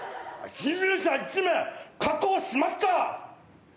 侵入者１名、確保しました。